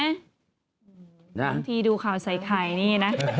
น้องทีดูข่าวใส่ใครนี่นะ